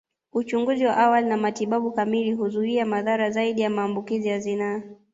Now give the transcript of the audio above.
Uchunguzi wa awali na matibabu kamili huzuia madhara zaidi ya maambukizi ya zinaa